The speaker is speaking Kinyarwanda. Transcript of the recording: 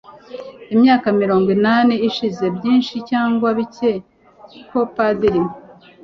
imyaka mirongo inani ishize - byinshi cyangwa bike - ko padiri